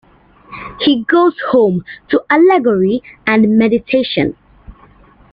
He goes home to allegory and meditation.